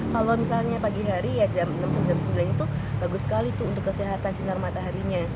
kalau misalnya pagi hari ya jam enam sampai jam sembilan itu bagus sekali tuh untuk kesehatan sinar mataharinya